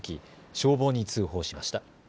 消防に通報しました。